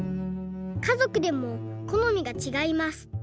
かぞくでもこのみがちがいます。